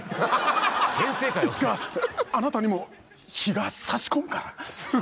いつかあなたにも日が差し込むから。